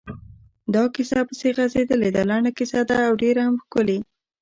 دا کیسه پسې غځېدلې ده، لنډه کیسه ده او ډېره هم ښکلې…